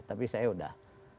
tapi saya sudah